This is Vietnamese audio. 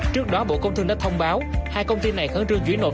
trước đó bộ công thương đã thông báo hai công ty này khẳng trương chuyển nộp